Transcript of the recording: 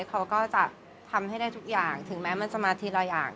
เขาก็จะทำให้ได้ทุกอย่างถึงแม้มันจะมาทีละอย่าง